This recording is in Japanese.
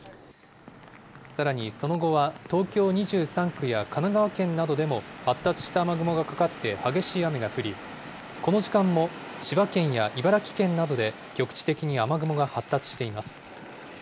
さらにその後は、東京２３区や神奈川県などでも発達した雨雲がかかって激しい雨が降り、この時間も千葉県や茨城県などで、局地的に雨雲が発達しています。